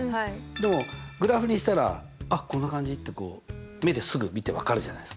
でもグラフにしたらあっこんな感じって目ですぐ見て分かるじゃないですか。